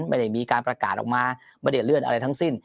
ไม่ได้มีการประกาศออกมาไม่ได้เลื่อนอะไรทั้งสิ้น